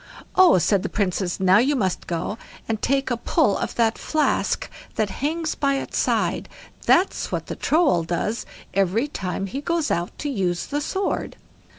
"Oh!" said the Princess, "now you must go and take a pull of that flask that hangs by its side; that's what the Troll does every time he goes out to use the sword."